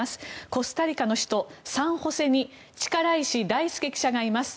コスタリカの首都サンホセに力石大輔記者がいます。